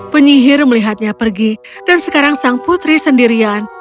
penyihir melihatnya pergi dan sekarang sang putri sendirian